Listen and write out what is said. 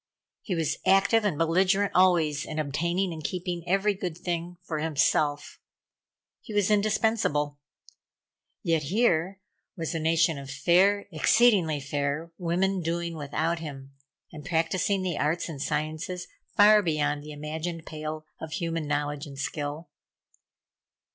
He was active and belligerent always in obtaining and keeping every good thing for himself. He was indispensable. Yet here was a nation of fair, exceedingly fair women doing without him, and practising the arts and sciences far beyond the imagined pale of human knowledge and skill.